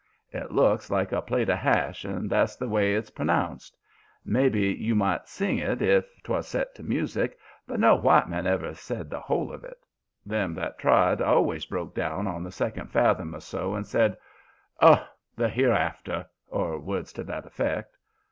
It looks like a plate of hash and that's the way it's pronounced. Maybe you might sing it if 'twas set to music, but no white man ever said the whole of it. Them that tried always broke down on the second fathom or so and said 'Oh, the hereafter!' or words to that effect.